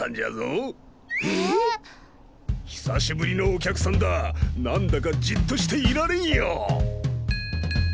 久しぶりのお客さんだ何だかじっとしていられんよ！